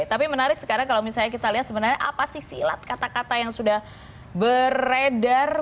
tapi menarik sekarang kalau misalnya kita lihat sebenarnya apa sih silat kata kata yang sudah beredar